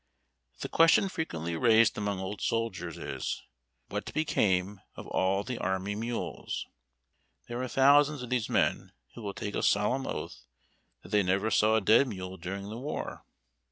The question frequently raised among old soldiers is. What became of all the army mules ? There are thousands of these men who will take a solemn oath that they never saw a dead mule during the war.